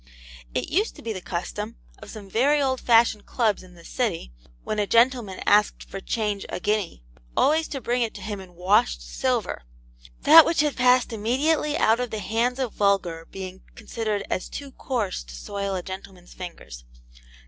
It used to be the custom of some very old fashioned clubs in this city, when a gentleman asked for change a guinea, always to bring it to him in WASHED SILVER: that which had passed immediately out of the hands of vulgar being considered 'as too coarse to soil a gentleman's fingers.'